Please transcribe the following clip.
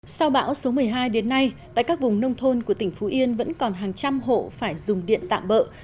sau bão số một mươi hai đến nay tại các vùng nông thôn của tỉnh phú yên vẫn còn hàng trăm hộ phải dùng điện tạm bỡ